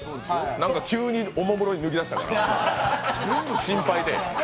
なんか急におもむろに脱ぎだしたから心配で。